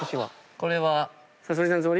これは。